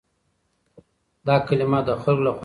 دا کلمه د خلکو له خوا ويل کېږي.